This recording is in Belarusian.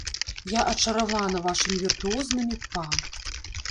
Я ачаравана вашымі віртуознымі па.